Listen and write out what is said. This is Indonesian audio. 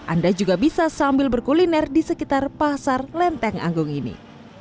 anda juga bisa sambil berkuliner di sekitar pasar lenteng agung ini